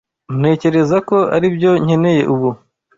Ntekereza ko aribyo nkeneye ubu.